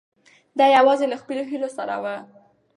دی یوازې له خپلو هیلو سره و.